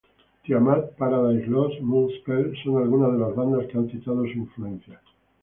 Tiamat, Paradise Lost, Moonspell... son algunas de las bandas que han citado su influencia.